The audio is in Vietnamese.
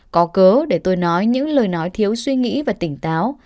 có cớ để tôi nói những lời nói thiếu suy nghĩ và tỉnh táo